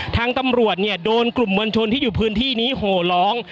ทางตำรวจเนี่ยโดนกลุ่มมวลชนที่อยู่พื้นที่นี้โหร้อง